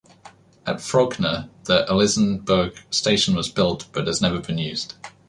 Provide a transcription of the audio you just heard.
At Frogner, the Elisenberg Station was built, but has never been used.